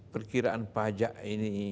perkiraan pajak ini